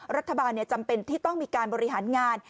รัฐบาลจำเป็นที่ต้องมีการบริหารงาน